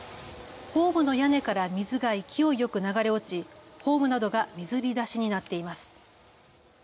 ホームの屋根から水が勢いよく流れ落ちホームなどが水浸しになっています。